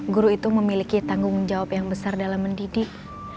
guru itu memiliki tanggung jawab yang besar dalam mendidik